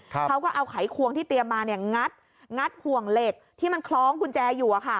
เขาก็เอาไขควงที่เตรียมมางัดห่วงเหล็กที่มันคล้องกุญแจอยู่